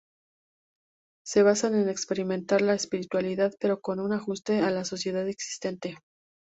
Se basan en experimentar la espiritualidad, pero con un ajuste a la sociedad existente.